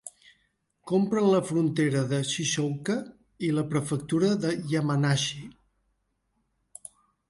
Compren la frontera de Shizouka i la prefectura de Yamanashi.